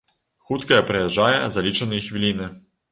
Хуткая прыязджае за лічаныя хвіліны.